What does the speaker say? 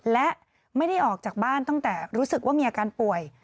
และไม่ได้ออกจากบ้านตั้งแต่รู้สึกว่ามีอาการป่วย